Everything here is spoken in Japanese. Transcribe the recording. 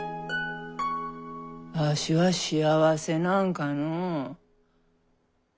わしは幸せなんかのう。